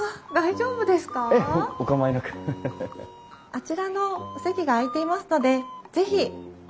あちらのお席が空いていますので是非。